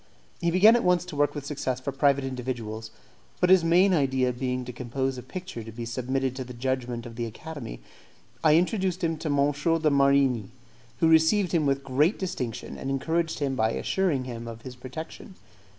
He began at once to work with success for private individuals; but his main idea being to compose a picture to be submitted to the judgment of the Academy, I introduced him to M. de Marigni, who received him with great distinction, and encouraged him by assuring him of his protection.